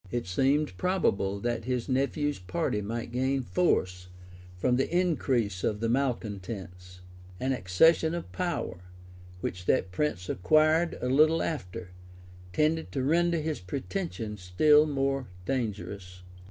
] It seemed probable that his nephew's party might gain force from the increase of the malecontents; an accession of power, which that prince acquired a little after, tended to render his pretensions still more dangerous.